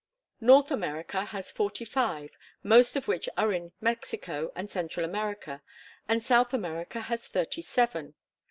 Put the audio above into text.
North America has forty five, most of which are in Mexico and Central America; and South America has thirty seven.